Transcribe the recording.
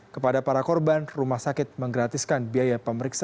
kepada para korban rumah sakit menggratiskan biaya pemeriksaan